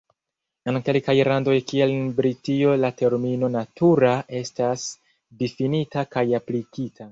En kelkaj landoj kiel en Britio la termino "natura" estas difinita kaj aplikita.